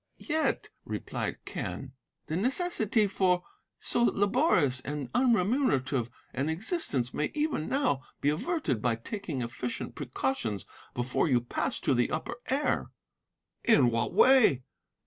"'Yet,' replied Quen, 'the necessity for so laborious and unremunerative an existence may even now be averted by taking efficient precautions before you pass to the Upper Air.' "'In what way?